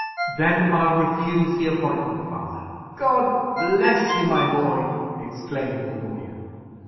"Then I'll refuse the appointment, father." "God bless you, my boy!" exclaimed the lawyer.